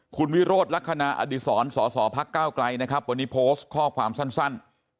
คุณวิโรธลักษณะอดีศรสอสอพักก้าวไกลนะครับวันนี้โพสต์ข้อความสั้น